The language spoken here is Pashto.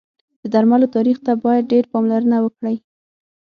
د درملو تاریخ ته باید ډېر پاملرنه وکړی